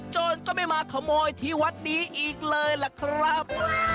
โจรก็ไม่มาขโมยที่วัดนี้อีกเลยล่ะครับ